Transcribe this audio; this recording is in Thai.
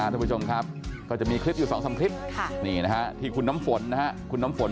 ทุกผู้ชมครับก็จะมีคลิปอยู่๒๓คลิปที่คุณน้ำฝนคุณน้ำฝน